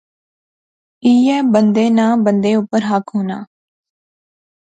ایہہ بندے ناں بندے اپر حق ہونا